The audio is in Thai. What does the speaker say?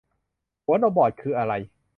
หัวนมบอดคืออะไร